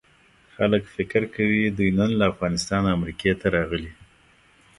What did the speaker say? خلک فکر کوي دوی نن له افغانستانه امریکې ته راغلي.